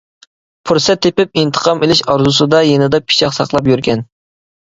پۇرسەت تېپىپ ئىنتىقام ئېلىش ئارزۇسىدا يېنىدا پىچاق ساقلاپ يۈرگەن.